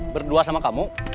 berdua sama kamu